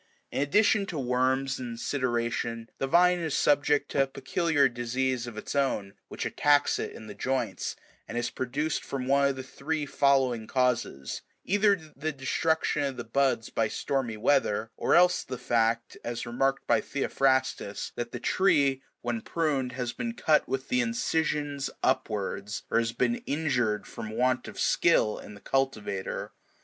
In addition to worms and sideration, the vine is subject to a peculiar disease of its own, which attacks it in the joints, and is produced from one of the three following causes :— either the destruction of the buds by stormy weather, or else the fact, as remarked by Theophrastus, that the tree, when pruned, has been cut with the incisions upwards,96 or has been injured from want of skill in the cultivator.